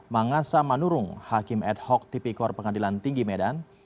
mangasa manurung hakim ad hoc tipikor pengadilan tinggi medan